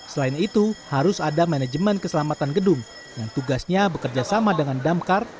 selain itu harus ada manajemen keselamatan gedung yang tugasnya bekerja sama dengan damkar